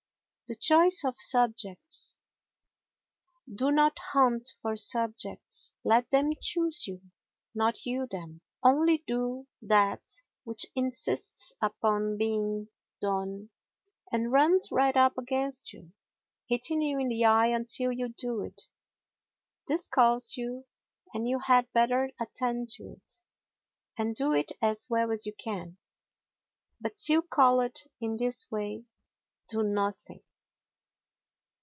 The Choice of Subjects Do not hunt for subjects, let them choose you, not you them. Only do that which insists upon being done and runs right up against you, hitting you in the eye until you do it. This calls you and you had better attend to it, and do it as well as you can. But till called in this way do nothing.